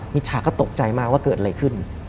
ฉาก็ตกใจมากว่าเกิดอะไรขึ้น